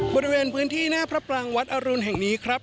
บริเวณพื้นที่หน้าพระปรางวัดอรุณแห่งนี้ครับ